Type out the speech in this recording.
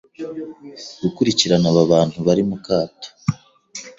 gukurikirana aba bantu bari mu kato,